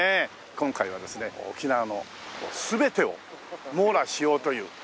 今回はですね沖縄の全てを網羅しようという。